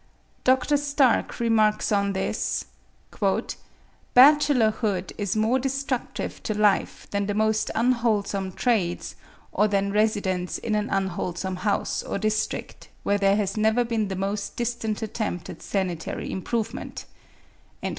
Dr. Stark remarks on this, "Bachelorhood is more destructive to life than the most unwholesome trades, or than residence in an unwholesome house or district where there has never been the most distant attempt at sanitary improvement."